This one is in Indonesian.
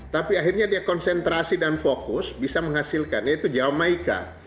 tapi akhirnya dia konsentrasi dan fokus bisa menghasilkan yaitu jamaica